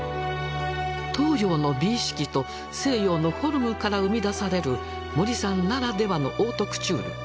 東洋の美意識と西洋のフォルムから生み出される森さんならではのオートクチュール。